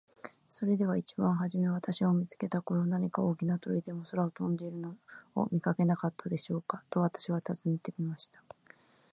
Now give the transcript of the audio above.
「それでは一番はじめ私を見つけた頃、何か大きな鳥でも空を飛んでいるのを見かけなかったでしょうか。」と私は尋ねてみました。